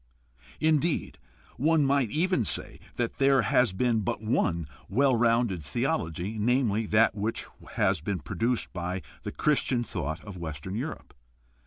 Indeed, one might even say that there never has been but one well rounded theology, namely, that which has been produced by the Chris tian thought of Western Europe.